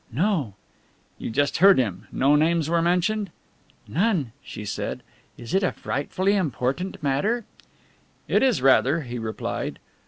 "No." "You just heard him. No names were mentioned?" "None," she said. "Is it a frightfully important matter?" "It is rather," he replied.